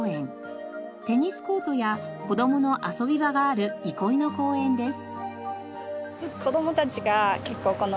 テニスコートや子供の遊び場がある憩いの公園です。